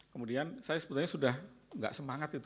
kemudian saya sebetulnya sudah tidak semangat itu